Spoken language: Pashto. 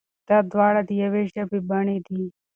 دا دواړه د يوې ژبې بڼې دي.